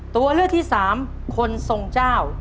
ตัวเลือกที่สามคนทรงเจ้า